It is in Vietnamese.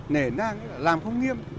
nể nang làm không nghiêm